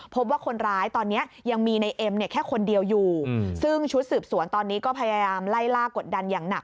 พบว่าคนร้ายตอนนี้ยังมีในเอ็มเนี่ยแค่คนเดียวอยู่ซึ่งชุดสืบสวนตอนนี้ก็พยายามไล่ล่ากดดันอย่างหนัก